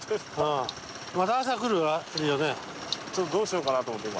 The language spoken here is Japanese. ちょっとどうしようかなと思って今。